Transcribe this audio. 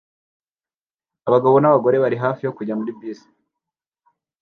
Abagabo n'abagore bari hafi yo kujya muri bisi